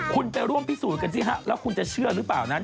คุณไปร่วมพิสูจน์กันสิฮะแล้วคุณจะเชื่อหรือเปล่านั้น